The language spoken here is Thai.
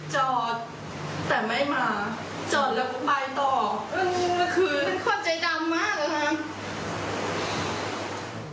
จอดแต่ไม่มาจอดแล้วก็ไปต่อมันควรใจดำมากอ่ะค่ะ